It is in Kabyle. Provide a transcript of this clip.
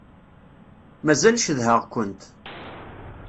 Mazal cedhaɣ-kent.